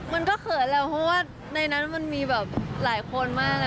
มันก็เขินแหละเพราะว่าในนั้นมีลายคนมาก